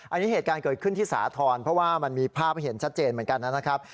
อันนี้เหตุการณ์เกิดขึ้นที่สาธรณ์เพราะว่ามันมีภาพให้เห็นชัดเจนเหมือนกันนะครับ